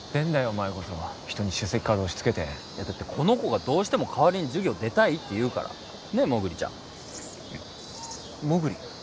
お前こそ人に出席カード押しつけてだってこの子がどうしても代わりに授業出たいって言うからねえモグリちゃんモグリ？